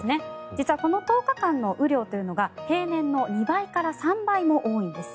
実はこの１０日間の雨量というのが平年の２倍から３倍も多いんです。